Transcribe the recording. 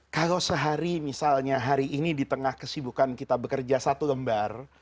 kalau sehari misalnya hari ini di tengah kesibukan kita bekerja satu lembar